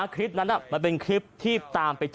คลิปนั้นมันเป็นคลิปที่ตามไปเจอ